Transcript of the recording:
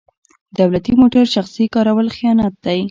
دولتي موټر شخصي کارول خیانت دی.